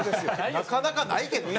なかなかないけどね。